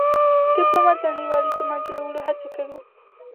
ډيپلومات د نړیوال اعتماد جوړولو هڅه کوي.